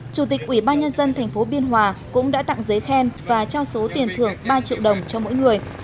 chủ tịch ủy ban nhân dân tp biên hòa cũng đã tặng giấy khen và trao số tiền thưởng ba triệu đồng cho mỗi người